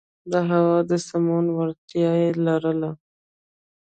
د هوا د سمون وړتیا یې لرله.